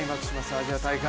アジア大会。